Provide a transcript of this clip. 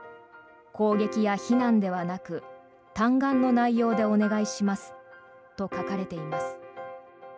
攻撃や非難ではなく嘆願の内容でお願いしますと書かれています。